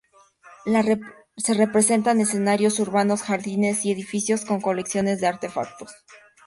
Se representan escenarios urbanos, jardines y edificios con colecciones de artefactos.